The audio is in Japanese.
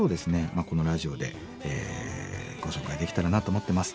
このラジオでご紹介できたらなと思ってます。